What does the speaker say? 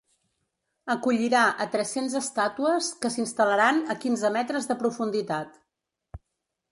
Acollirà tres-cents estàtues que s’instal·laran a quinze metres de profunditat.